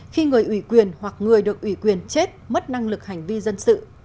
khi người ủy quyền hoặc người được ủy quyền chết mất năng lực hành vi dân sự